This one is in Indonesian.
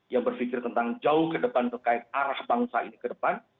yang berpikir tentang jauh ke depan terkait arah bangsa ini ke depan